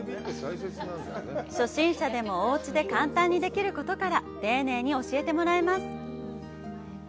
初心者でもおうちで簡単にできることから丁寧に教えてもらえます。